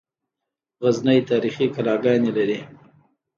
غزني تاریخي کلاګانې لري